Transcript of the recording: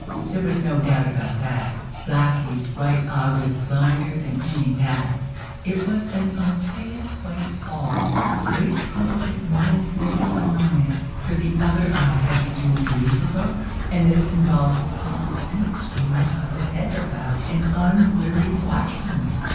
There was no doubt about that. Blackie's right eye was blinder than any bat's; it was an opaque white ball a circumstance which caused it no little annoyance, for the other eye had to do duty for both, and this involved constant screwing of the head about, and unwearied watchfulness.